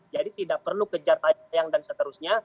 jadi tidak perlu kejar tayang dan seterusnya